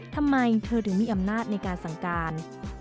ทำไมเธอถึงมีอำนาจในการสั่งการ